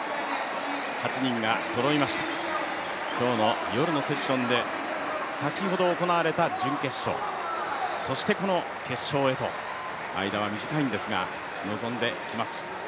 ８人がそろいました、今日の夜のセッションで先ほど行われた準決勝、そしてこの決勝へと間は短いんですが臨んできます。